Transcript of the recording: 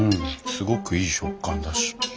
すごくいい食感だし。